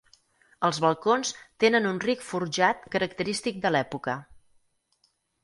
Els balcons tenen un ric forjat característic de l'època.